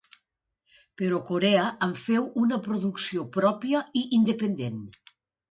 Però Corea en feu una producció pròpia i independent.